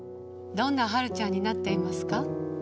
どんなはるちゃんになっていますか？